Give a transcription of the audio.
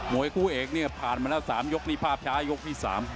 วยคู่เอกเนี่ยผ่านมาแล้ว๓ยกนี่ภาพช้ายกที่๓